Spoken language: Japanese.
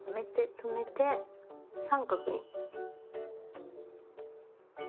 止めて三角に。